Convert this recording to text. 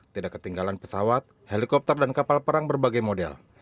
tidak ketinggalan pesawat helikopter dan kapal perang berbagai model